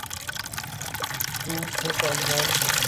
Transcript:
روس نے طالبان کو